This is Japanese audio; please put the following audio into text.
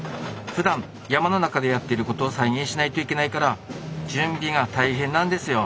ふだん山の中でやってることを再現しないといけないから準備が大変なんですよ。